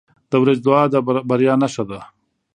• د ورځې دعا د بریا نښه ده.